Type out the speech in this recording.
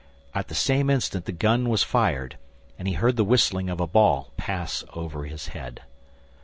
At the same instant the gun was fired, and he heard the whistling of a ball pass over his head.